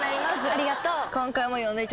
ありがとう。